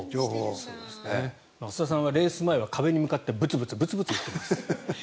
増田さんはレース前は壁に向かってぶつぶつ言ってます。